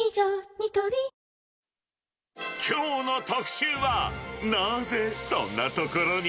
ニトリきょうの特集は、なぜそんな所に？